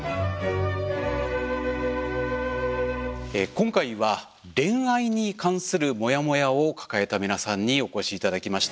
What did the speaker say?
今回は恋愛に関するモヤモヤを抱えた皆さんにお越し頂きました。